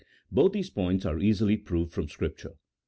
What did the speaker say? Both these points are easily proved from Scripture.